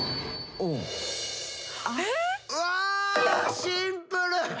うわシンプル！